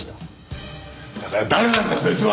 だから誰なんだそいつは！